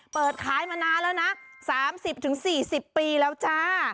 เปิดขายมานานแล้วนะ๓๐๔๐ปีแล้วจ้า